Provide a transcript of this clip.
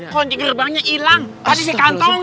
konci gerbangnya hilang